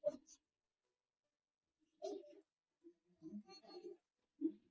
hẹn gặp lại các bạn trong những video tiếp theo